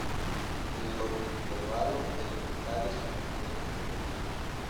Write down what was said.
Los intervalos elementales son obtenidos desde este.